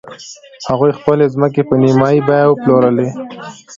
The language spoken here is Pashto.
هغوی خپلې ځمکې په نیمايي بیه وپلورلې.